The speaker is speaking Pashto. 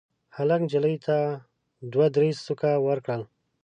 هلک نجلۍ ته دوه درې سوکه ورکړل.